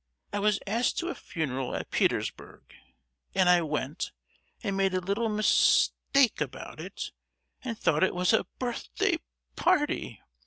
I was asked to a funeral at Petersburg, and I went and made a little mis—take about it and thought it was a birthday par—ty!